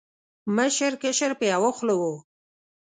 مشر، کشر په یو خوله و